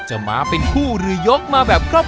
จะมาเป็นผู้เรือยกมาแบบคืนนี้